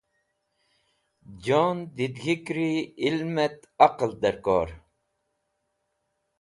Jon dẽdig̃hikri ilmẽt aqlẽ dẽrkor.